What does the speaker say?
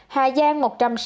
hà giang một trăm sáu mươi chín